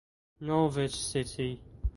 Norwich City